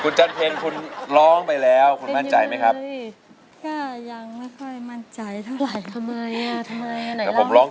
เย็ดมากใช้ให้เวียง